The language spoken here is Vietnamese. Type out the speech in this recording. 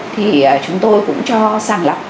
thì chúng tôi cũng cho sàng lọc